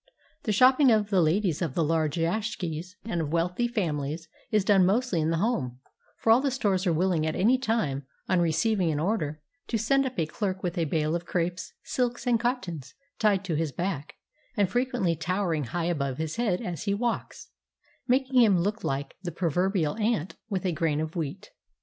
The shopping of the ladies of the large yashikis and of wealthy famiUes is done mostly in the home; for all the stores are wilUng at any time, on receiving an order, to send up a clerk with a bale of crepes, silks, and cottons tied to his back, and frequently towering high above his head as he walks, making him look Kke the proverbial ant with a grain of wheat.